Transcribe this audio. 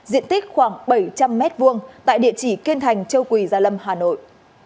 diện tích khoảng bảy trăm linh m hai tại địa chỉ kiên thành châu quỳ gia lâm hà nội